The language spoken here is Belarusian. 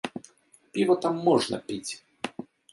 Піва там можна піць.